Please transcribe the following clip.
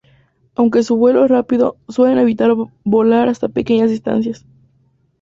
Aunque su vuelo es rápido, suelen evitar volar hasta pequeñas distancia.